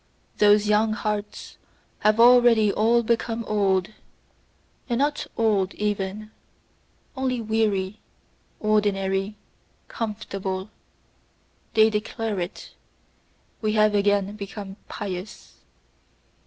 Those young hearts have already all become old and not old even! only weary, ordinary, comfortable: they declare it: "We have again become pious."